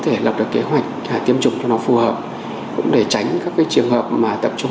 thể lập được kế hoạch tiêm chủng cho nó phù hợp để tránh các trường hợp mà tập trung